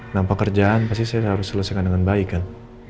dalam pekerjaan pasti saya harus selesaikan dengan baik kan